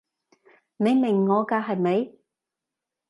你明我㗎係咪？